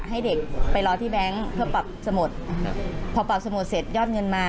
ให้เด็กไปรอที่แบงค์เพื่อปรับสมุดพอปรับสมุดเสร็จยอดเงินมา